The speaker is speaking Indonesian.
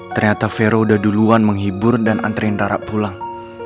ternyata vero udah duluan menghibur dan anterin ra ra pulang